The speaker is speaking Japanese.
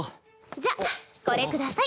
じゃこれください。